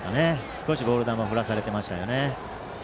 少しボール球振らされていました。